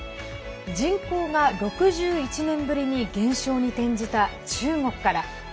人口が６１年ぶりに減少に転じた中国から。